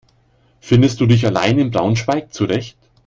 Findest du dich allein in Braunschweig zurecht?